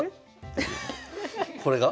これが？